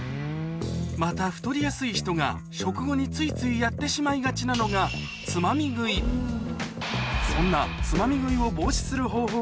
また太りやすい人が食後についついやってしまいがちなのがそんながあるんです